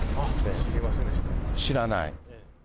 知らない。